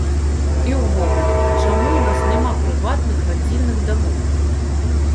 І ўвогуле, чаму у нас няма прыватных радзільных дамоў?